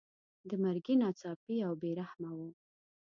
د مرګي ناڅاپي او بې رحمه وو.